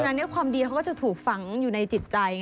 ดังนั้นความดีเขาก็จะถูกฝังอยู่ในจิตใจ